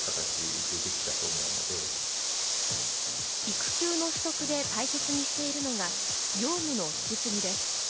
育休の取得で大切にしているのが業務の引き継ぎです。